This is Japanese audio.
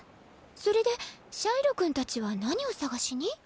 それでシャイロ君たちは何を捜しに？